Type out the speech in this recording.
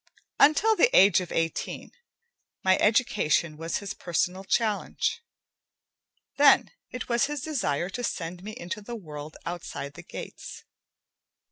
Until the age of eighteen, my education was his personal challenge. Then, it was his desire to send me into the world outside the gates.